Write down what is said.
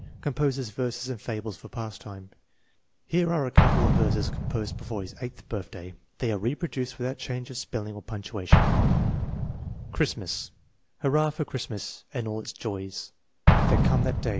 Composes verses and fables for pastime. Here are a couple of verses composed before his eighth birthday. They are reproduced without change of spelling or punctuation: Christmas Flowers Hurrah for Christmas Flowers in the garden.